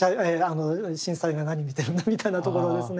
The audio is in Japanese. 「審査員は何見てるんだ」みたいなところをですね。